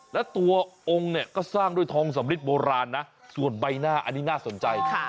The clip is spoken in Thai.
แล้วตัวองค์เนี่ยก็สร้างด้วยทองสำริดโบราณนะส่วนใบหน้าอันนี้น่าสนใจ